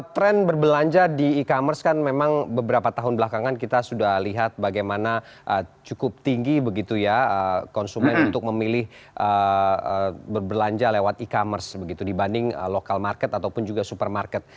tren berbelanja di e commerce kan memang beberapa tahun belakangan kita sudah lihat bagaimana cukup tinggi begitu ya konsumen untuk memilih berbelanja lewat e commerce begitu dibanding lokal market ataupun juga supermarket